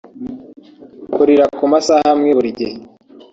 Kurira ku masaha amwe buri gihe